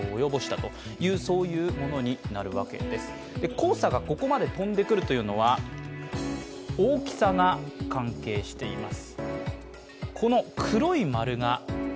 黄砂がここまで飛んでくるというのは、大きさが関係しています。